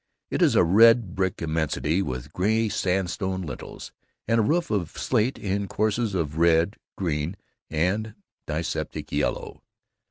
It is a red brick immensity with gray sandstone lintels and a roof of slate in courses of red, green, and dyspeptic yellow.